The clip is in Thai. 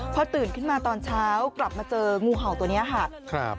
พอตื่นขึ้นมาตอนเช้ากลับมาเจองูเห่าตัวนี้ค่ะ